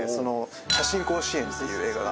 『写真甲子園』っていう映画が。